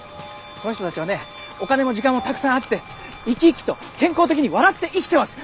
この人たちはねお金も時間もたくさんあって生き生きと健康的に笑って生きてます。